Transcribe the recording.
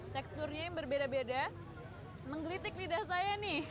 teksturnya yang berbeda beda menggelitik lidah saya nih